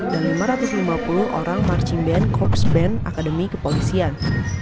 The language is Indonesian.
dan lima ratus lima puluh orang marching band corpse band akademi kepolisian